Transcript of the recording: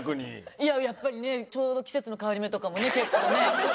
いややっぱりねちょうど季節の変わり目とかもね結構ねきますもんね。